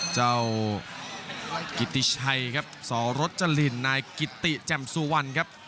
เจ้ากิติไชครับสรรจรินนายกิติแจ่มซูวันครับ